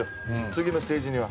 次のステージには。